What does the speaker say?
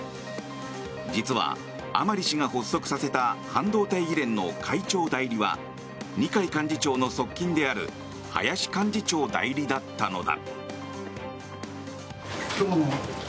実は、甘利氏が発足させた半導体議連の会長代理は二階幹事長の側近である林幹事長代理だったのだ。